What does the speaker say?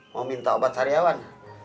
mau minta obat sariawan